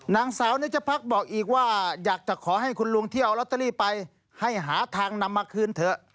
นางสาวนิจพักบอกอีกว่าอยากจะขอให้คุณลุงเที่ยวลอตเตอรี่ไปให้หาทางนำมาคืนเถอะ